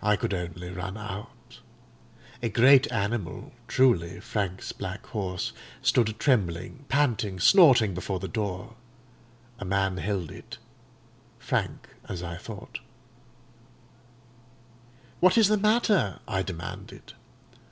"I could only run out. A great animal—truly, Frank's black horse—stood trembling, panting, snorting before the door; a man held it, Frank, as I thought. "'What is the matter?' I demanded.